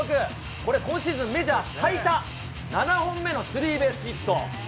これ、今シーズンメジャー最多、７本目のスリーベースヒット。